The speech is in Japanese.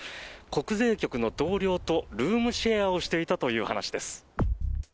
国税局の同僚とルームシェアをしていたという話です。